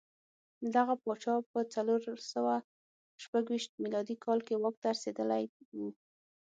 دغه پاچا په څلور سوه شپږ ویشت میلادي کال کې واک ته رسېدلی و